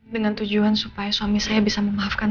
dengan tujuan supaya suami saya bisa memaafkan